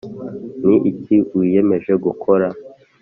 Ni iki wiyemeje gukora?